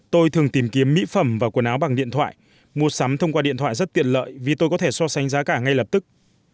tôi thường tìm kiếm mỹ phẩm và quần áo bằng điện thoại mua sắm thông qua điện thoại rất tiện lợi vì tôi có thể so sánh giá cả ngay lập tức